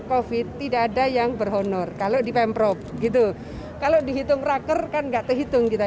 covid tidak ada yang berhonor kalau di pemprov gitu kalau dihitung raker kan enggak terhitung kita